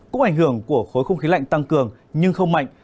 cũng ảnh hưởng của khối không khí lạnh tăng cường nhưng không mạnh